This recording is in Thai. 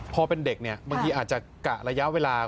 พอเป็นเด็กเนี่ยบางทีอาจจะกะระยะเวลา